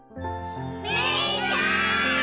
メイちゃーん！